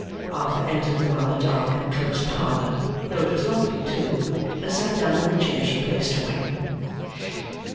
Arthur entered the rather dark and close parlour (though it was lofty too), and sat down in the chair she placed for him.